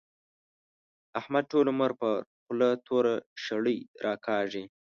احمد ټول عمر پر خوله توره شړۍ راکاږي.